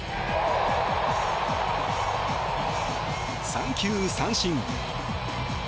三球三振。